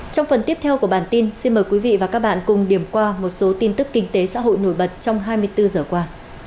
trong phần tiếp theo của bản tin xin mời quý vị và các bạn cùng điểm qua một số tin tức kinh tế xã hội nổi bật trong hai mươi bốn giờ qua